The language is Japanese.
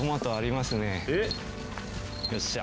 よっしゃ。